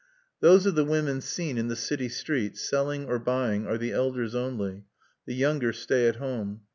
"Those of the women seen in the city street, selling or buying, are the elders only. The younger stay at home.